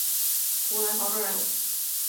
湖南澧县人。